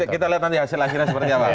kita lihat nanti hasil akhirnya seperti apa